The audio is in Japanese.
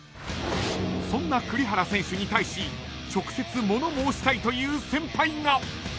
［そんな栗原選手に対し直接物申したいという先輩が］